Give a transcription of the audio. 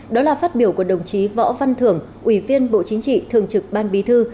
đó là phát biểu của đồng chí võ văn thưởng ủy viên bộ chính trị thường trực ban bí thư